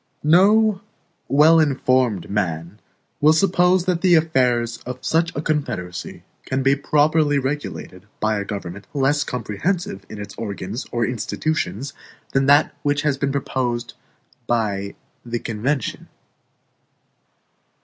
No well informed man will suppose that the affairs of such a confederacy can be properly regulated by a government less comprehensive in its organs or institutions than that which has been proposed by the convention.